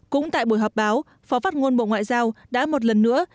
cũng tại buổi họp báo phó phát ngôn bộ ngoại giao đã một lần nữa